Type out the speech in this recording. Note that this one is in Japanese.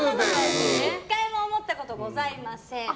１回も思ったことございません。